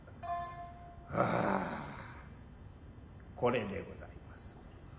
アアこれでございます。